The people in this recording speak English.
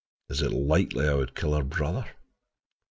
Is it likely I would kill her brother?"